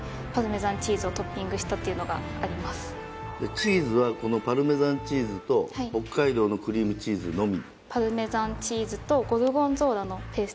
チーズはこのパルメザンチーズと北海道のクリームチーズのみ？